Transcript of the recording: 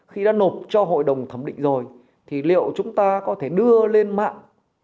khi đã nộp cho hội đồng thẩm định rồi thì liệu chúng ta có thể đưa lên mạng